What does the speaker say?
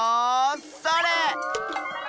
それ！